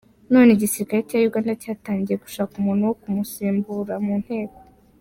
None igisirikare cya Uganda cyatangiye gushaka umuntu wo kumusim, burta mu Nteko.